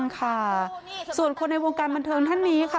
ค่ะส่วนคนในวงการบันเทิงท่านนี้ค่ะ